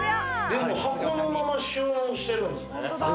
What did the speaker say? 箱のまま収納してるんですね。